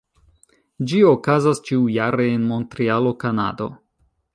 Ĝi okazas ĉiujare en Montrealo, Kanado.